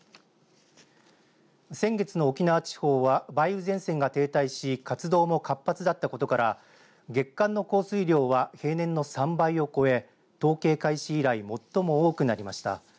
先月の沖縄地方は梅雨前線が停滞し活動も活発だったことから月間の降水量は平年の３倍を超え統計開始以来最も多くなりました。